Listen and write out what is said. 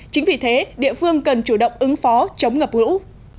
chính vì thế địa phương cần chủ động ứng phó chống ngập lũ